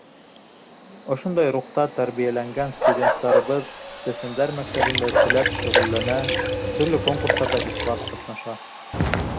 Ошондай рухта тәрбиәләнгән студенттарыбыҙ сәсәндәр мәктәбендә теләп шөғөлләнә, төрлө конкурстарҙа ихлас ҡатнаша.